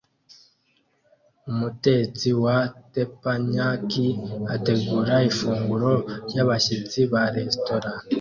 Umutetsi wa teppanyaki ategura ifunguro ryabashyitsi ba resitora